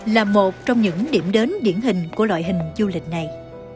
là một trong những điểm đến điển hình của loại hình du lịch này